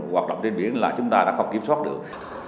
hoạt động trên biển là chúng ta đã không kiểm soát được